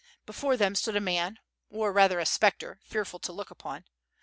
Before them stood a man, or rather a spectre, fearful to look upon.